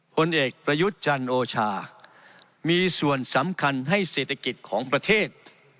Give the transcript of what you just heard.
ผลเอกประยุทธ์จันโอชามีส่วนสำคัญให้เศรษฐกิจของประเทศ